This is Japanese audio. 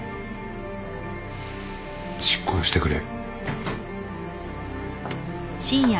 執行してくれ。